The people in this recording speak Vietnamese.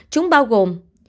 chúng bao gồm